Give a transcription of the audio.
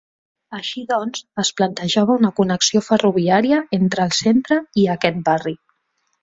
Així doncs, es plantejava una connexió ferroviària entre el centre i aquest barri.